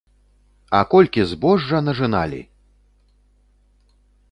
А колькі збожжа нажыналі!